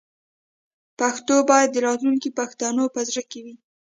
پښتو باید د راتلونکي پښتنو په زړه کې وي.